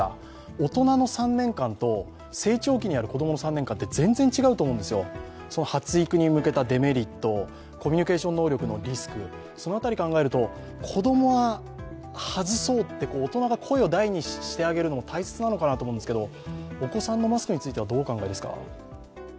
大人の３年間と成長期にある子供の３年間って全然違うと思うんですよ、発育に向けたデメリット、コミュニケーション能力のリスク、その辺りを考えると子供は外そうと、大人が声を大にしてあげるのも大切なのかなと思うんですが、お子さんのマスクについては、どうお考えですか。